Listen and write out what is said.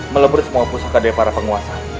melepur semua pusaka dari para penguasa